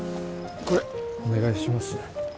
これお願いしますね。